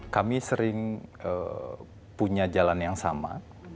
kami sering punya jalan yang sama